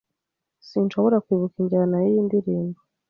Sinshobora kwibuka injyana yiyi ndirimbo